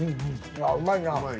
ああうまいな。